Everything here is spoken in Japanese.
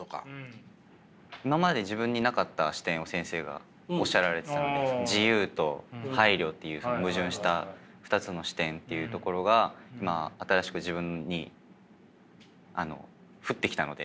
今まで自分になかった視点を先生がおっしゃられてたんで自由と配慮という矛盾した２つの視点というところがまあ新しく自分に降ってきたので。